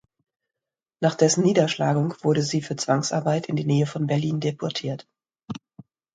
Nach dessen Niederschlagung wurde sie für Zwangsarbeit in die Nähe von Berlin deportiert.